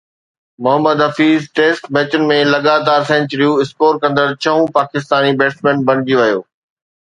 Muhammad Hafeez test ميچن ۾ لڳاتار سينچريون اسڪور ڪندڙ ڇهون پاڪستاني بيٽسمين بڻجي ويو